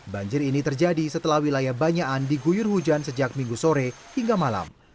banjir ini terjadi setelah wilayah banyakan diguyur hujan sejak minggu sore hingga malam